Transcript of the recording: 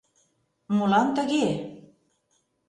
Молан тыге?»